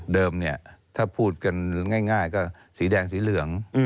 เดิมถ้าพูดง่ายก็สีแดงสีเหลือง